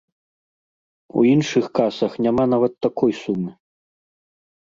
У іншых касах няма нават такой сумы.